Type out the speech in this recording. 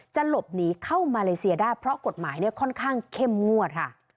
จะหลบหนีเข้ามาเลเซียได้เพราะกฎหมายเนี่ยค่อนข้างเข้มงวดค่ะ